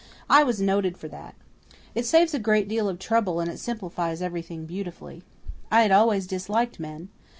I was noted for that. It saves a great deal of trouble and it simplifies everything beautifully. I had always disliked men.